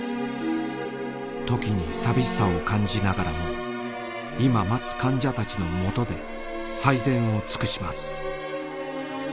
時に寂しさを感じながらも今待つ患者たちのもとで最善を尽くします。